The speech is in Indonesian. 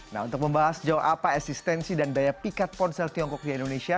nah untuk membahas jauh apa eksistensi dan daya pikat ponsel tiongkok di indonesia